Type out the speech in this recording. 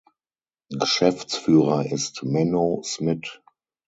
Geschäftsführer ist Menno Smid.